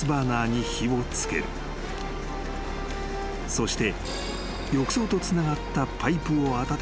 ［そして］